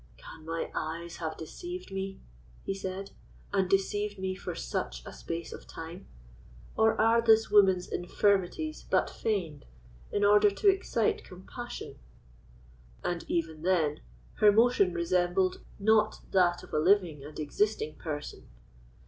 "Can my eyes have deceived me," he said, "and deceived me for such a space of time? Or are this woman's infirmities but feigned, in order to excite compassion? And even then, her motion resembled not that of a living and existing person.